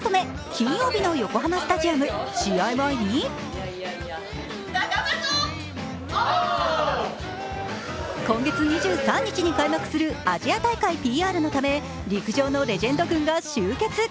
金曜日の横浜スタジアム、試合前に今月２３日に開幕するアジア大会ＰＲのため陸上のレジェンド軍が集結。